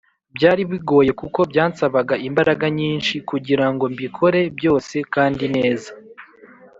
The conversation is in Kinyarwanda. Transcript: Byari bigoye kuko byansabaga imbaraga nyinshi kugira ngo mbikore byose kandi neza.